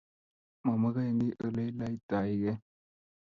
Mamagekiy ole ilaitaigei